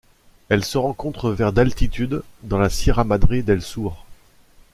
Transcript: Elle se rencontre vers d'altitude dans la Sierra Madre del Sur.